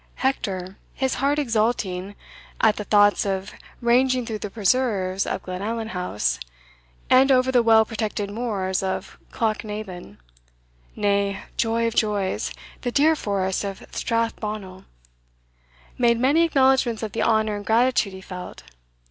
Hector, his heart exulting at the thoughts of ranging through the preserves of Glenallan House, and over the well protected moors of Clochnaben nay, joy of joys! the deer forest of Strath Bonnel made many acknowledgements of the honour and gratitude he felt.